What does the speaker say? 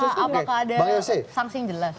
apakah ada sanksing jelas